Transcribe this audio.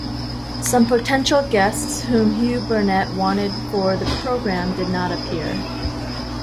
Some potential guests whom Hugh Burnett wanted for the programme did not appear.